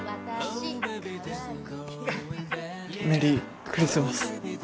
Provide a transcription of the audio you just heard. メリークリスマス。